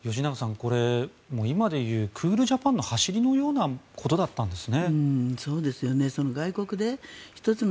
これ、今でいうクールジャパンの走りのようなことだったんですね。